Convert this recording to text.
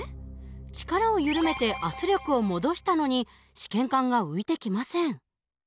力を緩めて圧力を戻したのに試験管が浮いてきません。